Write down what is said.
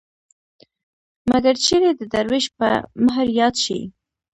مګر چېرې د دروېش په مهر ياد شي